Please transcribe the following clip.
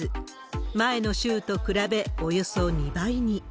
前の週と比べ、およそ２倍に。